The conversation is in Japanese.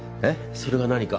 それが何か？